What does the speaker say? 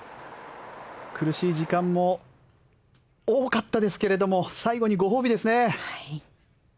苦しい時間も多かったですけども最後にご褒美ですね。